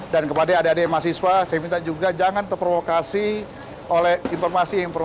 dan kepada adik adik mahasiswa saya minta juga jangan terprovokasi oleh informasi informasi